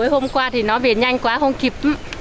hôm qua thì nó bị nhanh quá không kịp